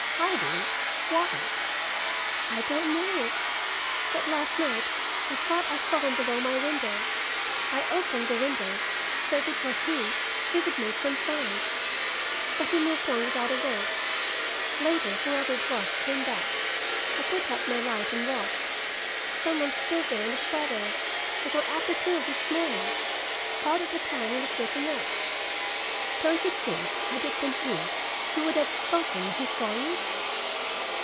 "Hiding! Why?" "I don't know. But last night I thought I saw him below my window. I opened the window, so if it were he, he could make some sign. But he moved on without a word. Later, whoever it was came back. I put out my light and watched. Some one stood there, in the shadow, until after two this morning. Part of the time he was looking up." "Don't you think, had it been he, he would have spoken when he saw you?"